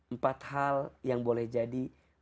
empat hal yang boleh jadi